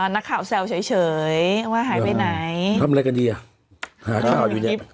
นักข่าวแซวเฉยว่าหายไปไหนทำอะไรกันดีอ่ะหาข่าวอยู่เนี่ย